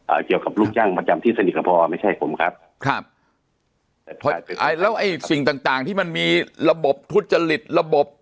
เกี่ยวกับลูกจ้างประจำที่สนิทกับพอไม่ใช่ผมครับครับแต่เพราะไอ้แล้วไอ้สิ่งต่างต่างที่มันมีระบบทุจริตระบบ